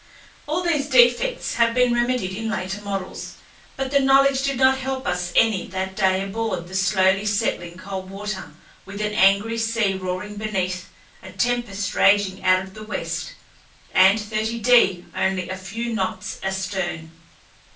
All these defects have been remedied in later models; but the knowledge did not help us any that day aboard the slowly settling Coldwater, with an angry sea roaring beneath, a tempest raging out of the west, and 30° only a few knots astern.